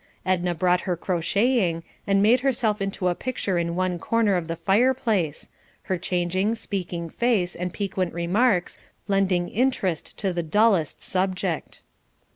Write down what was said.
Edna brought her crotcheting and made herself into a picture in one corner of the fireplace, her changing, speaking face and piquant remarks lending interest to the dullest subject.